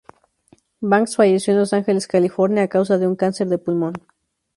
Banks falleció en Los Ángeles, California, a causa de un cáncer de pulmón.